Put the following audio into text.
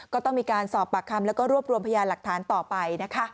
ก็ต้องมีการสอบปากคำแล้วก็รวบรวมพยานหลักฐานต่อไปนะคะ